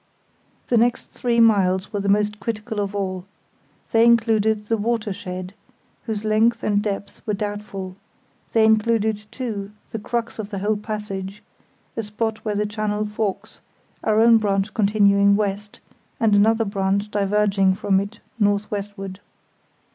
The next three miles were the most critical of all. They included the "watershed", whose length and depth were doubtful; they included, too, the crux of the whole passage, a spot where the channel forks, our own branch continuing west, and another branch diverging from it north westward.